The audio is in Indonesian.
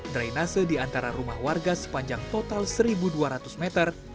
drainase di antara rumah warga sepanjang total satu dua ratus meter